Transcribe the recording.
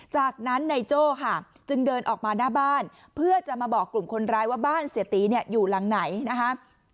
จากนั้นนายโจ้ค่ะจึงเดินออกมาหน้าบ้านเพื่อจะมาบอกกลุ่มคนร้ายว่าบ้านเสียตีเนี่ยอยู่หลังไหนนะคะ